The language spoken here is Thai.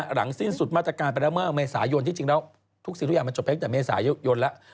หลังสิ้นสุดมาตรการไปแล้วเมื่อเมษายนที่จริงแล้วทุกสิ่งทุกอย่างมันจบไปตั้งแต่เมษายนแล้ว